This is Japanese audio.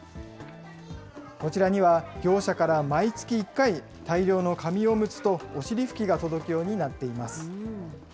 こちらには業者から毎月１回、大量の紙おむつとおしり拭きが届くようになっています。